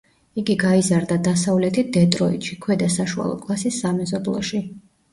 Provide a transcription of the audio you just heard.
იგი გაიზარდა დასავლეთით დეტროიტში, ქვედა საშუალო კლასის სამეზობლოში.